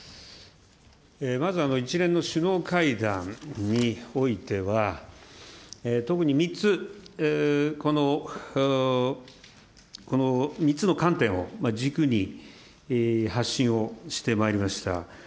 まず、一連の首脳会談においては、特に３つ、この３つの観点を軸に発信をしてまいりました。